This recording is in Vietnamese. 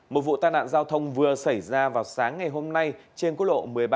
một vụ tai nạn giao thông vừa xảy ra vào sáng ngày hôm nay trên quốc lộ một mươi ba